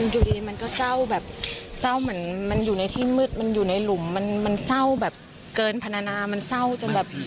อยู่ดีมันก็เศร้าแบบเศร้าเหมือนมันอยู่ในที่มืดมันอยู่ในหลุมมันเศร้าแบบเกินพนานามันเศร้าจนแบบ